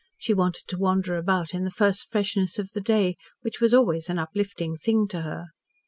She wanted to wander about in the first freshness of the day, which was always an uplifting thing to her.